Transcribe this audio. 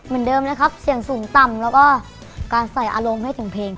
เหมือนเดิมนะครับเสียงสูงต่ำแล้วก็การใส่อารมณ์ให้ถึงเพลง